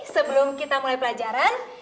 sebelum kita mulai pelajaran